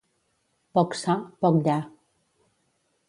Poc ça, poc lla.